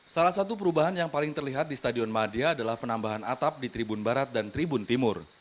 salah satu perubahan yang paling terlihat di stadion madia adalah penambahan atap di tribun barat dan tribun timur